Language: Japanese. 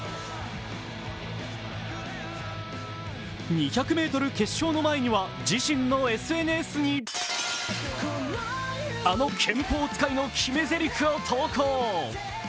２００ｍ決勝の前には、自身のＳＮＳに、あの拳法使いの決めぜりふを投稿。